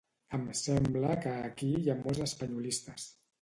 Em sembla que aquí hi ha molts espanyolistes